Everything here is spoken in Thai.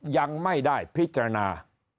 ยังไม่ได้พิจารณา